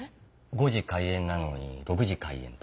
５時開演なのに「６時開演」と。